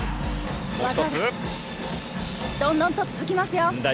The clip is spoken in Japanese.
どんどん続きますよ。